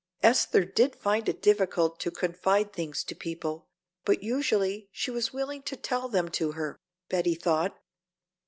"Esther did find it difficult to confide things to people, but usually she was willing to tell them to her," Betty thought.